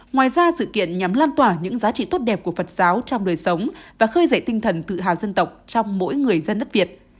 ngoài ra sự kiện nhằm lan tỏa những giá trị tốt đẹp của phật giáo trong đời sống và khơi dậy tinh thần tự hào dân tộc trong mỗi người dân đất việt